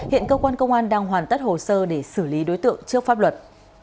hiện cơ quan công an đang hoàn tất hồ sơ để xử lý đối tượng trước pháp luật